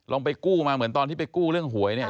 ไปกู้มาเหมือนตอนที่ไปกู้เรื่องหวยเนี่ย